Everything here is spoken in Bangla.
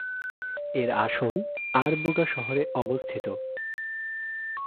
এর আসন আরবোগা শহরে অবস্থিত।